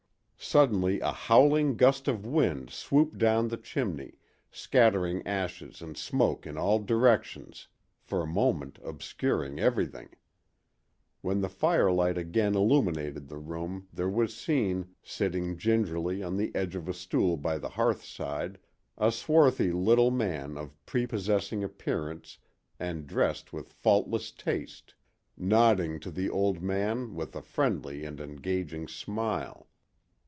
Suddenly a howling gust of wind swooped down the chimney, scattering ashes and smoke in all directions, for a moment obscuring everything. When the firelight again illuminated the room there was seen, sitting gingerly on the edge of a stool by the hearthside, a swarthy little man of prepossessing appearance and dressed with faultless taste, nodding to the old man with a friendly and engaging smile.